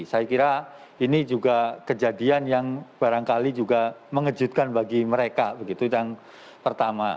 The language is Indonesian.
saya kira ini juga kejadian yang barangkali juga mengejutkan bagi mereka begitu yang pertama